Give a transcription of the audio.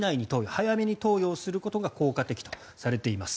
早めに投与することが効果的とされています。